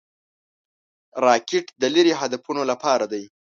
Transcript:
راکټ د لیرې هدفونو لپاره دی